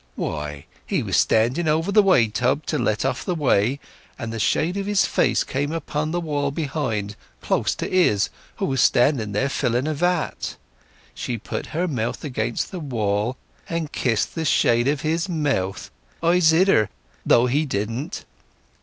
"Why—he was standing over the whey tub to let off the whey, and the shade of his face came upon the wall behind, close to Izz, who was standing there filling a vat. She put her mouth against the wall and kissed the shade of his mouth; I zid her, though he didn't."